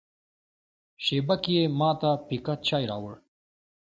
شېبه کې یې ما ته پیکه چای راوړ.